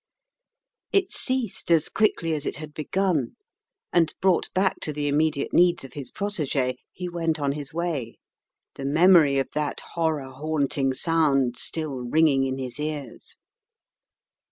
It ceased as quickly as it had begun, and brought back to the immediate needs of his prot6g6, he went on his way, the memory of that horror haunting sound still ringing in his ears.